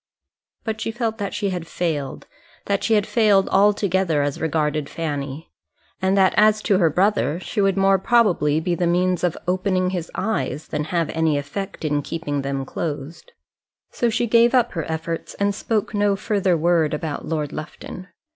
But she felt that she had failed; that she had failed altogether as regarded Fanny; and that as to her brother, she would more probably be the means of opening his eyes, than have any effect in keeping them closed. So she gave up her efforts and spoke no further word about Lord Lufton.